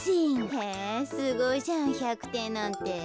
へえすごいじゃん１００てんなんて。